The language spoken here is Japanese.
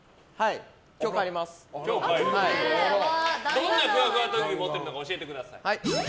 どんなふわふわ特技を持っているか教えてください。